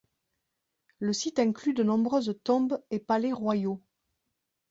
Le site inclut de nombreuses tombes et palais royaux.